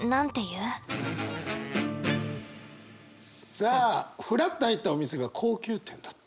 さあフラッと入ったお店が高級店だった。